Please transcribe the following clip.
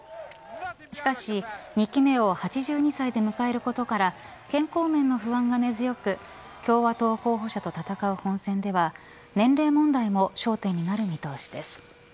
しかし２期目を８２歳で迎えることから健康面の不安が根強く共和党候補者と戦う本選では年齢問題も焦点になる見通しです。